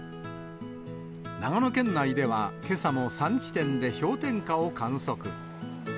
長野県内ではけさも３地点で氷点下を観測。